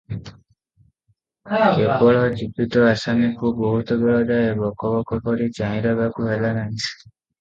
କେବଳ ଜୀବିତ ଆସାମୀକୁ ବହୁତ ବେଳ ଯାଏ ଭକ ଭକ କରି ଚାହିଁ ରହିବାକୁ ହେଲାନାହିଁ ।